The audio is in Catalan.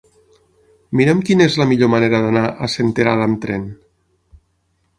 Mira'm quina és la millor manera d'anar a Senterada amb tren.